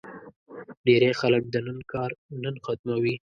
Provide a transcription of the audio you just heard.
ډېری خلک د نن کار نن ختموي.